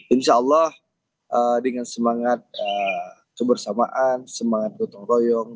insya allah dengan semangat kebersamaan semangat gotong royong